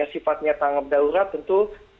sifatnya tanggap daurat tentu